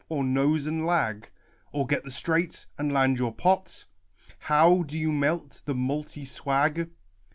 or nose and lag ? Or get the straight, and land your pot ? How do you melt the multy swag